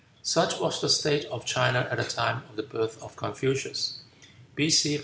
Such was the state of China at the time of the birth of Confucius (B.C. 551).